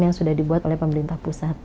yang sudah dibuat oleh pemerintah pusat